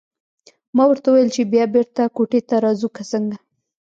ما ورته وویل چې بیا بېرته کوټې ته راځو که څنګه.